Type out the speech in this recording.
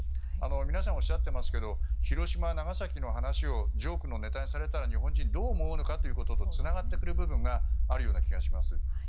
皆さんがおっしゃっていますけど広島、長崎の話をジョークのネタにされたら日本人はどう思うのかというところとつながってくる部分があるような気がします。